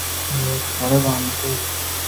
Rosalie Otterbourne বেশ চমৎকার একটা মেয়ে!